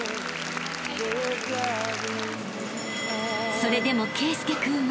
［それでも圭佑君は］